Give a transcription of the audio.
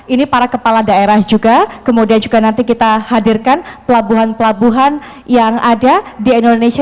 ini para kepala daerah juga kemudian juga nanti kita hadirkan pelabuhan pelabuhan yang ada di indonesia